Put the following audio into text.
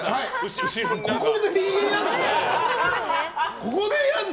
ここでやるの？